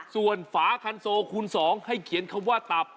ส่วนฝาคันโซคูณ๒ให้เขียนคำว่าตับ